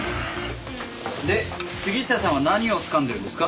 で杉下さんは何をつかんでるんですか？